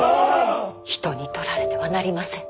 人に取られてはなりません。